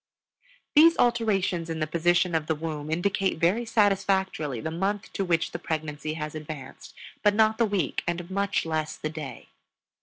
These alterations in the position of the womb indicate very satisfactorily the month to which pregnancy has advanced, but not the week and much less the day.